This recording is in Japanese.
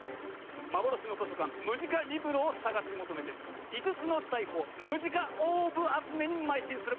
幻の図書館「ムジカリブロ」を捜し求めて５つの財宝「ムジカオーブ」集めに邁進するベルカント号！